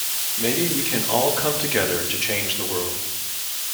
Maybe we can all come together to change the world.